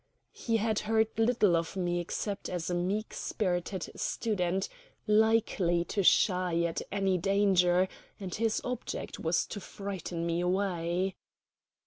He had heard little of me except as a meek spirited student, likely to shy at any danger, and his object was to frighten me away.